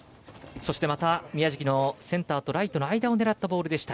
そして、また宮食のセンターとライトの間を狙ったボールでした。